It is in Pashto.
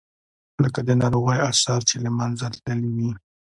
لکه د ناروغۍ آثار چې له منځه تللي وي.